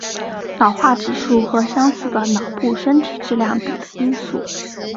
脑化指数和相似的脑部身体质量比的因素。